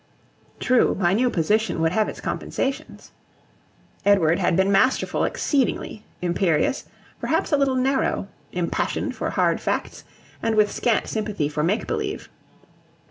True, my new position would have its compensations. Edward had been masterful exceedingly, imperious, perhaps a little narrow; impassioned for hard facts, and with scant sympathy for make believe.